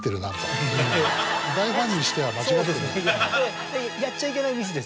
大ファンにしては間違ってるな。